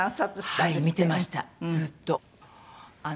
はい見てましたずっと。